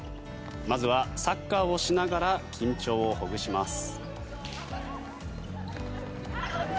まずはサッカーをしながら緊張をほぐします。